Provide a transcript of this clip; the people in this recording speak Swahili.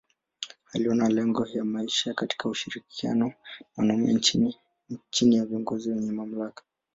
Aliona lengo ya maisha katika ushirikiano wa wanaume chini ya viongozi wenye mamlaka.